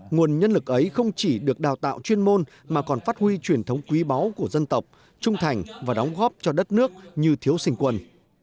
nguồn nhân lực ấy không chỉ được đào tạo chuyên môn mà còn phát huy truyền thống quý báu của dân tộc trung thành và đóng góp cho đất nước như thiếu sinh quân